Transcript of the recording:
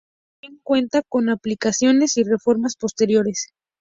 Si bien cuenta con ampliaciones y reformas posteriores.